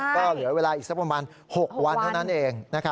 ก็เหลือเวลาอีกสักประมาณ๖วันเท่านั้นเอง